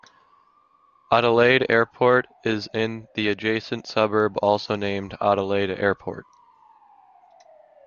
Adelaide Airport is in the adjacent suburb also named Adelaide Airport.